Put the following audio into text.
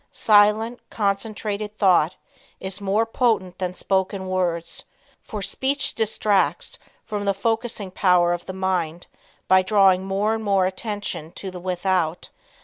Silent, concentrated thought is more potent than spoken words, for speech distracts from the focusing power of the mind by drawing more and more attention to the without.